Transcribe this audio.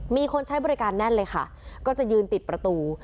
มีคนใช้บริการแน่นเลยค่ะก็จะยืนติดประตู